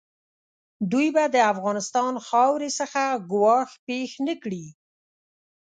دوی به د افغانستان خاورې څخه ګواښ پېښ نه کړي.